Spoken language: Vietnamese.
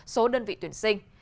số đơn vị tuyển sinh